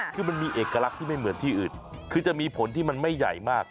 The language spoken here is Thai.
คือมันมีเอกลักษณ์ที่ไม่เหมือนที่อื่นคือจะมีผลที่มันไม่ใหญ่มาก